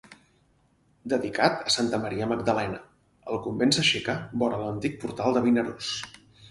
Dedicat a Santa Maria Magdalena, el convent s'aixeca vora l'antic portal de Vinaròs.